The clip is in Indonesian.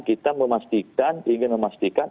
kita memastikan ingin memastikan